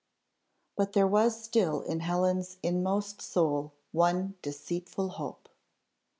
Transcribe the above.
But there was still in Helen's inmost soul one deceitful hope.